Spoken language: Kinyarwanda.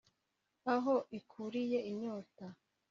aho ikuriye inyota